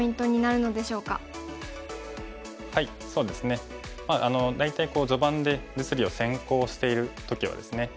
そうですね大体序盤で実利を先行している時はですね